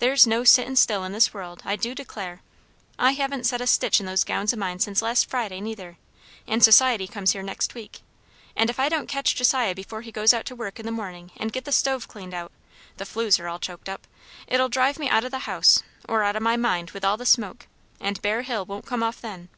There's no sittin' still in this world, I do declare! I haven't set a stitch in those gowns o' mine since last Friday, neither; and Society comes here next week. And if I don't catch Josiah before he goes out to work in the morning and get the stove cleaned out the flues are all choked up it'll drive me out o' the house or out o' my mind, with the smoke; and Bear Hill won't come off then."